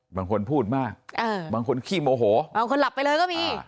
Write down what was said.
บางคนพูดมากบางคนขี้โมโหเอาคนหลับไปเลยก็มี